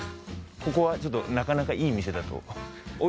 ここはちょっとなかなかいい店だと。